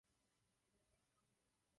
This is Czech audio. My však musíme dělat malé kroky.